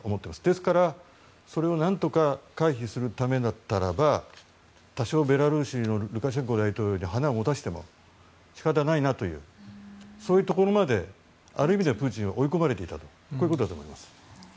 ですから、それを何とか回避するためだったらば多少ルカシェンコ大統領に花を持たせても仕方ないなというそういうところまである意味でプーチンは追い込まれていたということだと思います。